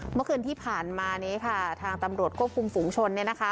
เมื่อคืนที่ผ่านมานี้ค่ะทางตำรวจควบคุมฝูงชน